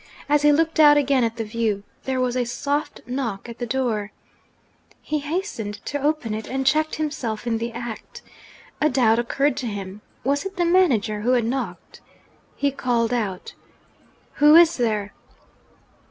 As he looked out again at the view, there was a soft knock at the door. He hastened to open it and checked himself in the act. A doubt occurred to him. Was it the manager who had knocked? He called out, 'Who is there?'